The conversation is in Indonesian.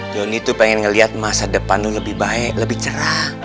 johnny tuh pengen ngeliat masa depan itu lebih baik lebih cerah